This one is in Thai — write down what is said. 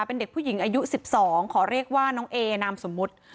เป็นเด็กผู้หญิงอายุ๑๒ขอเรียกว่าน้องเอนามสมมุติ